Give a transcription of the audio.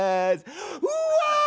うわ！